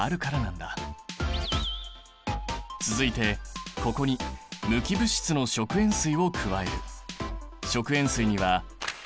続いてここに無機物質の食塩水を加える。